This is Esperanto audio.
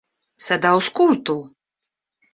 Sed aŭskultu!